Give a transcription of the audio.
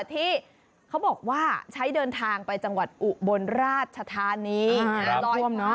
ที่เขาบอกว่าใช้เดินทางไปจังหวัดอุบลราชธานี